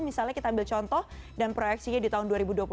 misalnya kita ambil contoh dan proyeksinya di tahun dua ribu dua puluh empat